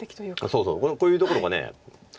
そうそうこういうところが。